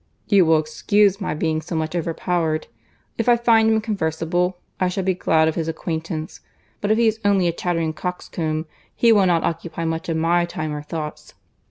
"You will excuse my being so much over powered. If I find him conversable, I shall be glad of his acquaintance; but if he is only a chattering coxcomb, he will not occupy much of my time or thoughts."